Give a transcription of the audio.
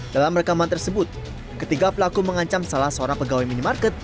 dalam rekaman tersebut ketiga pelaku mengancam salah seorang pegawai minimarket